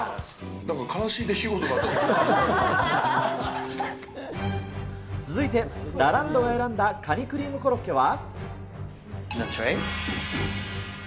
なんか悲しい出来事があった続いて、ラランドが選んだカニクリームコロッケは？